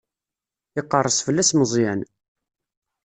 Iqerres fell-as Meẓyan.